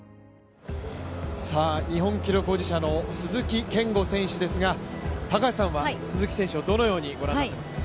日本記録保持者の鈴木健吾選手ですが、高橋さんは鈴木選手をどのようにご覧になっていますか。